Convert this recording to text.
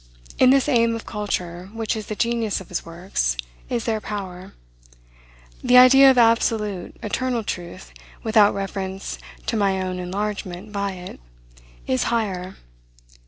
In this aim of culture, which is the genius of his works, is their power. The idea of absolute, eternal truth, without reference to my own enlargement by it, is higher.